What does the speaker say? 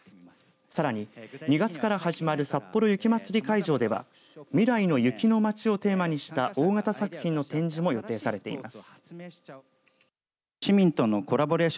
さらに２月から始まるさっぽろ雪まつり会場では未来の雪のまちをテーマにした大型作品の展示も予定されています。